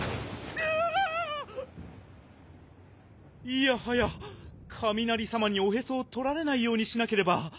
いやはやかみなりさまにおへそをとられないようにしなければ。